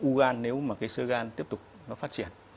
và dẫn tới u gan nếu mà cái sơ gan tiếp tục nó phát triển